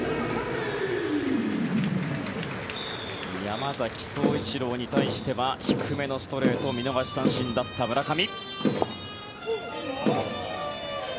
山崎颯一郎に対しては低めのストレート見逃し三振だった村上。